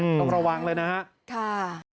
ต้องระวังเลยนะฮะค่ะค่ะ